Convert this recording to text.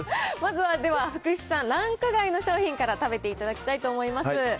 まずは福士さん、ランク外の商品から食べていただきたいと思います。